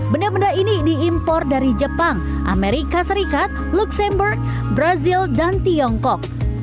benda benda ini diimpor dari jepang amerika serikat luxembourg brazil dan tiongkok